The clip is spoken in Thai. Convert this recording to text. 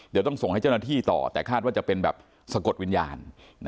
เดี๋ยวต้องส่งให้เจ้าหน้าที่ต่อแต่คาดว่าจะเป็นแบบสะกดวิญญาณ